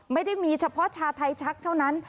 ไม่ได้มีเฉพาะชาไทยชักเท่านั้น